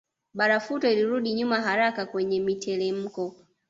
Barafuto ilirudi nyuma haraka kwenye mitelemko